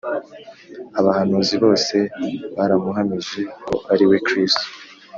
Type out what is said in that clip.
abahanuzi bose baramuhamije ko ariwe kristo